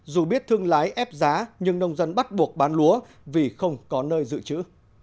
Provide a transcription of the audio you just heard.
dù biết thương lái ép giá nhưng nông dân bắt buộc bán lúa vì không có nơi dự trữ